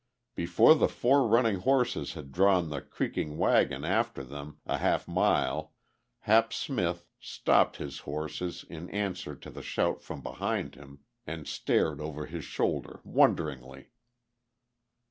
Before the four running horses had drawn the creaking wagon after them a half mile Hap Smith stopped his horses in answer to the shout from behind him and stared over his shoulder wonderingly.